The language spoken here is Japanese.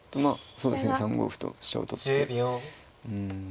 そうですね３五歩と飛車を取ってうんまあ